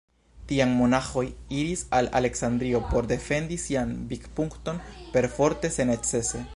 Tiam monaĥoj iris al Aleksandrio por defendi sian vidpunkton, perforte se necese.